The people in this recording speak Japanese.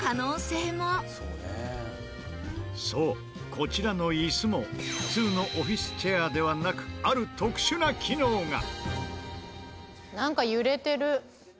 そうこちらのイスも普通のオフィスチェアではなくある特殊な機能が。